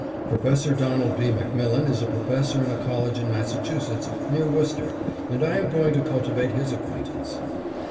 Professor Donald B. MacMillan is a professor in a college in Massachusetts, near Worcester, and I am going to cultivate his acquaintance.